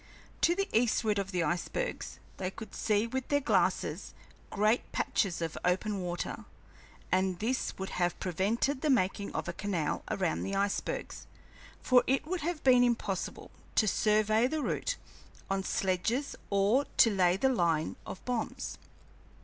To the eastward of the icebergs they could see with their glasses great patches of open water, and this would have prevented the making of a canal around the icebergs, for it would have been impossible to survey the route on sledges or to lay the line of bombs.